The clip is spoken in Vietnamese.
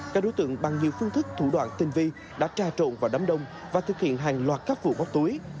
các đối tượng bằng nhiều phương thức thủ đoạn tinh vi đã tra trộn vào đám đông và thực hiện hàng loạt các vụ bóc túi